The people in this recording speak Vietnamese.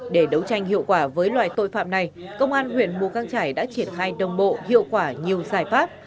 để đấu tranh hiệu quả với loại tội phạm này công an huyện mù căng trải đã triển khai đồng bộ hiệu quả nhiều giải pháp